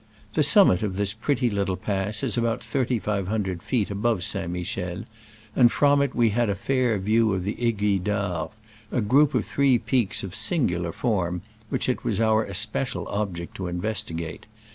The summit of this pretty Htde pass is about thirty five hundred feet above St. Michel, and from it we had a fair view of the Aiguilles d'Arve, a group of three peaks of singular form, which it was our Especial object to in vestigate.